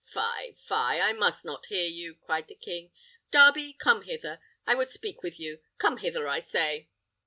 "Fie, fie! I must not hear you," cried the king. "Darby, come hither: I would speak with you. Come hither, I say!"